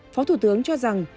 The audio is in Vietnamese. phó thủ tướng cho rằng